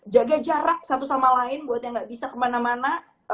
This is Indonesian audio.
jaga jarak satu sama lain buat yang gak bisa kemana mana